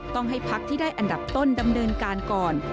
ต้องให้พักที่ได้อันดับต้นดำเนินการก่อน